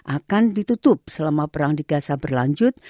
akan ditutup selama perang digasa berlanjut